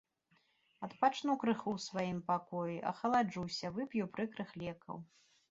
Адпачну крыху ў сваім пакоі, ахаладжуся, вып'ю прыкрых лекаў.